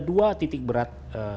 dua titik berat